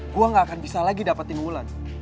gue gak akan bisa lagi dapetin wulan